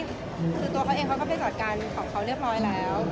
คือตัวเขาเองเขาก็ไปจัดการของเขาเรียบร้อยแล้ว